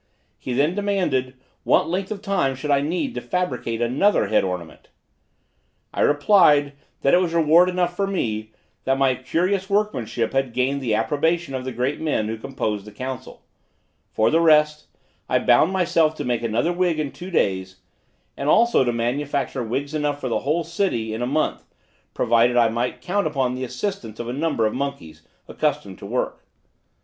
He then demanded, what length of time I should need to fabricate another such head ornament? I replied, that it was reward enough for me, that my curious workmanship had gained the approbation of the great men who composed the Council; for the rest, I bound myself to make another wig in two days, and also to manufacture wigs enough for the whole city in a month, provided I might count upon the assistance of a number of monkeys, accustomed to work.